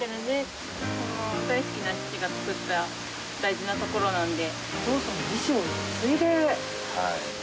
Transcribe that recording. その大好きな父が作った大事な所なんで。